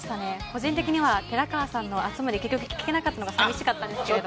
個人的には寺川さんの熱盛を結局聞けなかったのが寂しかったですけど。